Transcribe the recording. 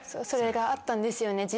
それがあったんですよね